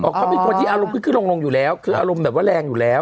เขาเป็นคนที่อารมณ์ขึ้นลงอยู่แล้วคืออารมณ์แบบว่าแรงอยู่แล้ว